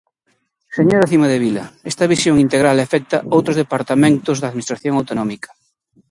Señora Cimadevila, esta visión integral afecta outros departamentos da Administración autonómica.